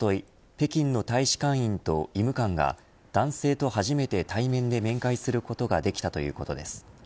北京の大使館員と医務官が男性と初めて、対面で面会することができたということです。